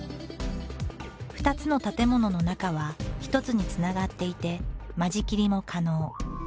２つの建物の中は１つにつながっていて間仕切りも可能。